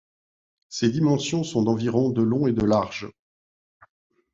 Ses dimensions sont d'environ de long et de large.